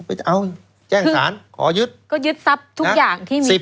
จะเอาแจ้งสารขอยึดก็ยึดทรัพย์ทุกอย่างที่มี